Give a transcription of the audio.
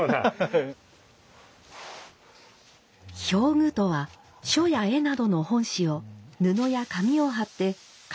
表具とは書や画などの本紙を布や紙を貼って掛